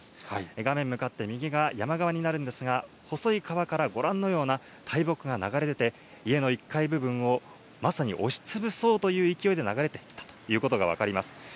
画面向かって右が山側になるんですが、細い川からご覧のような大木が流れ出て、家の１階部分をまさに押しつぶそうという勢いで流れていたということが分かります。